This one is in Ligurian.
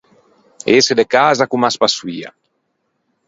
Ëse de casa comme a spassoia.